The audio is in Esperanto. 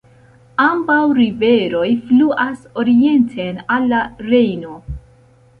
Ambaŭ riveroj fluas orienten al la Rejno.